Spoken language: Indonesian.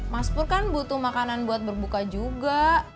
mas pur kan butuh makanan buat berbuka juga